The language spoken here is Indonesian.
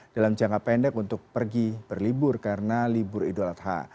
dalam jangka pendek untuk pergi berlibur karena libur idul adha